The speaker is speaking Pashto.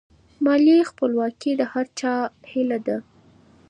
مالي خپلواکي د هر چا هیله ده.